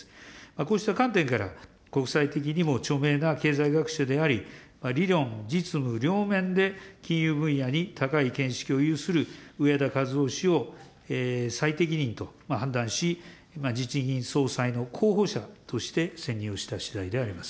こうした観点から、国際的にも著名な経済学者であり、理論、実務両面で金融分野に高い見識を有する植田和男氏を最適任と判断し、日銀総裁の候補者として選任をしたしだいであります。